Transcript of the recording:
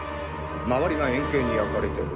周りが円形に焼かれてる。